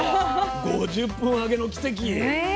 ５０分揚げの奇跡。